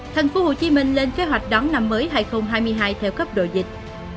thành phố hồ chí minh lên kế hoạch đón năm mới hai nghìn hai mươi hai theo cấp độ dịch